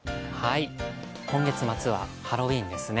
今月末はハロウィーンですね。